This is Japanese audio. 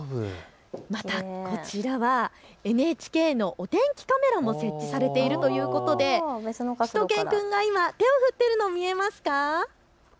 またこちらはＮＨＫのお天気カメラも設置されているということでしゅと犬くんが今手を降っているの、見えますか。